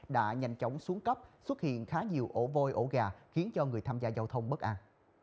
đã nhanh chóng xuống cấp xuất hiện khá nhiều ổ vôi ổ gà khiến cho người tham gia giao thông bất an